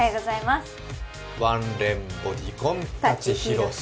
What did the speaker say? ワンレン、ボディコン、舘ひろし。